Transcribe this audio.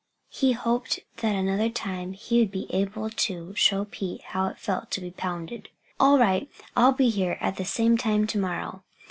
He hoped that another time he would be able to show Pete how it felt to be pounded. "All right I'll be here at the same time to morrow."